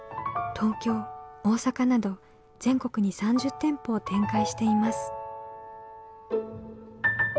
東京大阪など全国に３０店舗を展開しています。